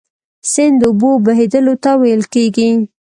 سیند د اوبو بهیدلو ته ویل کیږي.